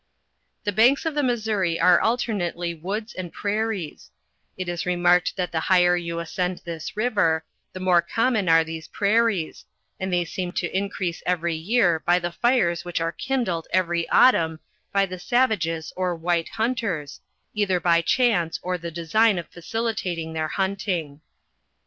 The banks of the Missouri are alternately woods and prai ries; it is remarked that the higher you ascend this river, the more common are these prairies, and they seem to in crease every year by the fires which are kindled every au tumn by the savages or white hunters, either by chance of the design of facilitating their hunting.